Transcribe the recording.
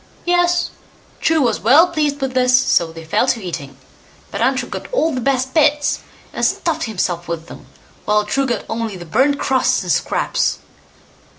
Yes! True was well pleased with this, so they fell to eating, but Untrue got all the best bits, and stuffed himself with them, while True got only the burnt crusts and scraps.